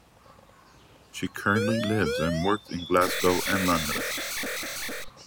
She currently lives and works in Glasgow and London.